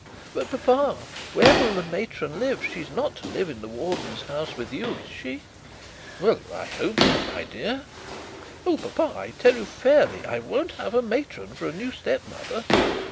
But, papa, where will the matron live? She is not to live in the warden's house with you, is she?' 'Well, I hope not, my dear.' 'Oh, papa, I tell you fairly. I won't have a matron for a new step mother.'